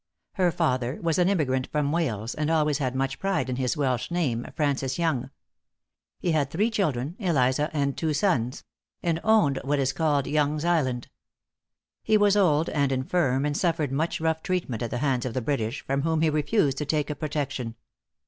Her father was an emigrant from Wales, and always had much pride in his Welsh name, Francis Yonge. He had three children, Eliza and two sons; and owned what is called Yonge's Island. He was old and infirm, and suffered much rough treatment at the hands of the British, from whom he refused to take a protection.